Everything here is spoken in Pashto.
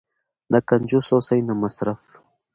نه کنجوس اوسئ نه مسرف.